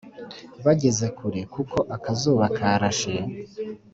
bageze kure kuko akazuba karashe